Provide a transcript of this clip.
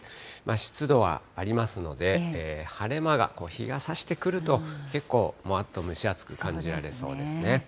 湿度はありますので、晴れ間が、日が差してくると、結構、もわっと蒸し暑く感じられそうですね。